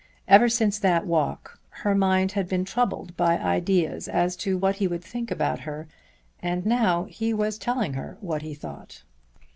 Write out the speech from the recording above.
Ever since that walk her mind had been troubled by ideas as to what he would think about her, and now he was telling her what he thought.